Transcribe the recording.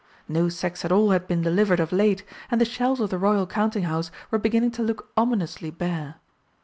No sacks at all had been delivered of late, and the shelves of the Royal Counting house were beginning to look ominously bare.